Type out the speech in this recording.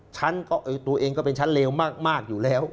ตัวเองก็เป็นชั้นเลวมากอยู่แล้ว